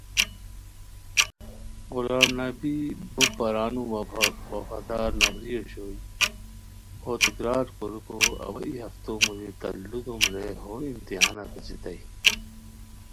غلام نبی ہو پرانو وا وفادار نفری اوشوئے، بو تکرار کوریکو اوا ای ہفتو موژی تت لُو دوم رے ہو امتحانہ پیڅھیتائے